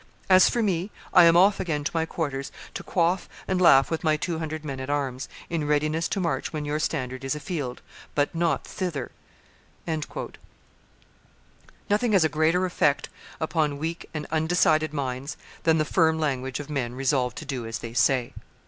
As for me, I am off again to my quarters to quaff and laugh with my two hundred men at arms, in readiness to march when your standard is a field, but not thither." Nothing has a greater effect upon weak and undecided minds than the firm language of men resolved to do as they say.